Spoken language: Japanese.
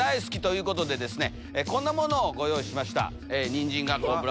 こんなものをご用意しました。